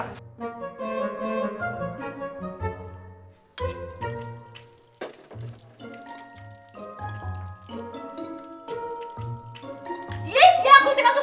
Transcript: pelit banget si tipe sihir